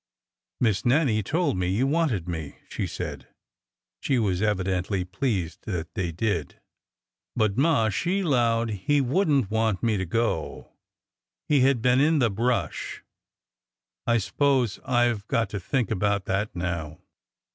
" Miss Nannie told me you wanted me," she said. She was evidently pleased that they did. '' But ma she lowed he would n't want me to go." He had been in the brush. I s'pose I 've got to think about that now."